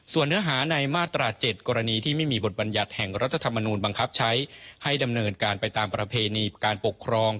ส่วนเนื้อหาในมาตรา๗กรณีที่ไม่มีบทบัญญัติแห่งรัฐธรรมนูลบังคับใช้ให้ดำเนินการไปตามประเพณีการปกครอง